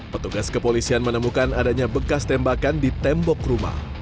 petugas kepolisian menemukan adanya bekas tembakan di tembok rumah